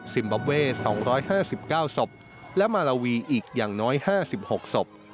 บอบเว่๒๕๙ศพและมาลาวีอีกอย่างน้อย๕๖ศพ